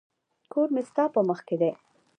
کور مي ستا په مخ کي دی.